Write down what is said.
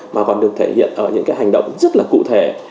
mà còn được thể hiện ở những cái hành động rất là cụ thể